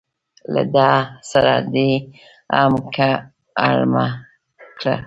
له ده سره دې هم که اړمه کړه.